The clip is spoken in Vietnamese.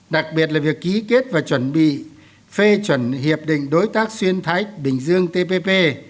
đặc biệt là việc ký kết và chuẩn bị phê chuẩn hiệp định đối tác xuyên thái bình dương tpp